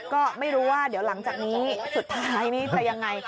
ก็ไม่รู้ว่าเดี๋ยวหลังจากนี้สุดท้ายนี้จะยังไง